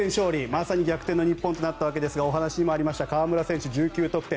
まさに逆転の日本となったわけですがお話にもありました河村選手１９得点。